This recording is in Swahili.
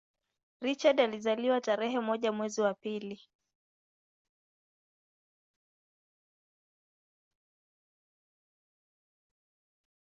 Richard alizaliwa tarehe moja mwezi wa pili